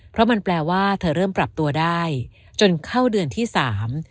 เพราะมันแปลว่าเธอเริ่มปรับตัวได้จนเข้าเดือนที่สาม